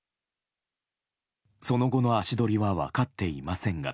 その後の足取りは分かっていませんが。